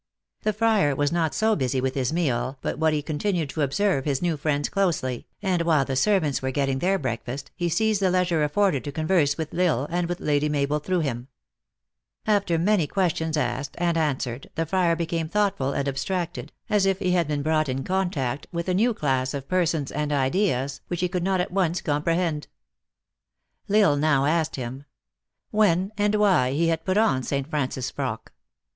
The friar was not so busy with his meal but what he 150 THE ACTRESS IN HIGH LIFE. continued to observe his new friends closely, and while the servants were getting their breakfast, he seized the leisure afforded to converse with L Isle, and with Lady Mabel through him. After many questions asked and answered, the friar became thoughtful and abstracted, as if he had been brought in contact with a new class of persons and ideas, which he could not at once com prehend. L Isle now asked him, " When and why he had put on St. Francis frock